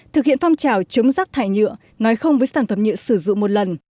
thực hiện phong trào chống rác thải nhựa nói không với sản phẩm nhựa sử dụng một lần